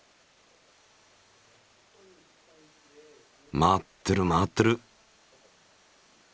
回ってる回ってる。